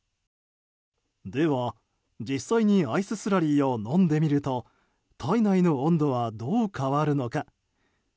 では、実際にアイススラリーを飲んでみると体内の温度はどう変わるのか。